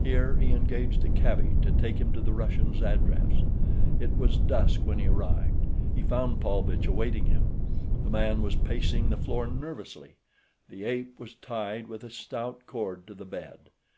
Here he engaged a cabby to take him to the Russian's address. It was dusk when he arrived. He found Paulvitch awaiting him. The man was pacing the floor nervously. The ape was tied with a stout cord to the bed.